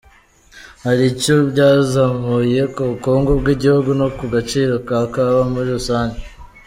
Hari icyo byazamuye ku bukungu bw’igihugu no ku gaciro ka kawa muri rusange.